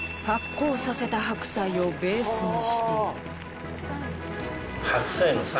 発酵させた白菜をベースにしている。